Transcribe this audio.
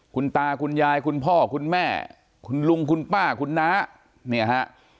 คุณตาคุณยายคุณพ่อคุณแม่คุณลุงคุณป้าคุณน้าเนี่ยฮะ